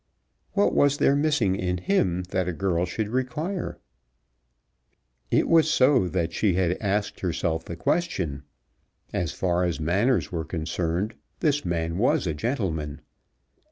What was there missing in him that a girl should require? It was so that she had asked herself the question. As far as manners were concerned, this man was a gentleman.